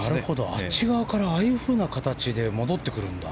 あっち側からああいうふうな形で戻ってくるんだ。